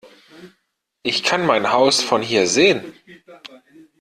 Ich kann mein Haus von hier sehen!